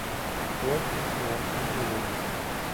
Who’sWho in the World.